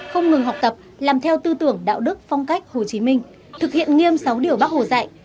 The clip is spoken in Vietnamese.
không ngừng học tập làm theo tư tưởng đạo đức phong cách hồ chí minh thực hiện nghiêm sáu điều bác hồ dạy